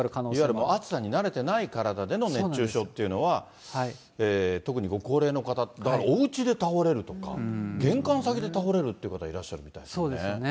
いわゆる暑さに慣れてない体での熱中症っていうのは、特にご高齢の方、だから、おうちで倒れるとか、玄関先で倒れるっていう方いらっしゃるみたいですね。